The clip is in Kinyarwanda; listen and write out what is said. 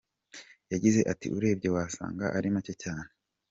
Yagize ati“Urebye wasanga ari make cyane.